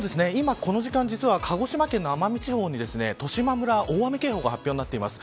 今この時間、実は鹿児島県の奄美地方の十島村に大雨警報が発表になっています。